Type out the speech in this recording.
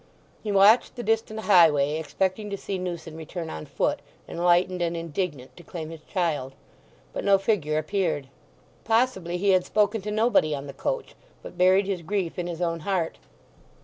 He watched the distant highway expecting to see Newson return on foot, enlightened and indignant, to claim his child. But no figure appeared. Possibly he had spoken to nobody on the coach, but buried his grief in his own heart.